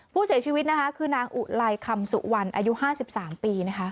ผู้เสียชีวิตคือนางอุไลคำสุวรรณอายุ๕๓ปี